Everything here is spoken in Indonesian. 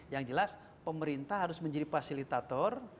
yang jelas pemerintah harus menjadi fasilitator